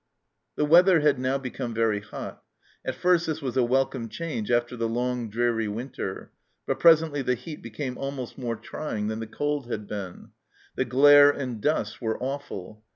The weather had now become very hot. At first this was a welcome change after the long dreary winter, but presently the heat became almost more trying than the cold had been. The glare and dust were awful.